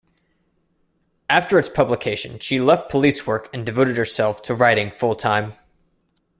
After its publication, she left police work and devoted herself to writing full-time.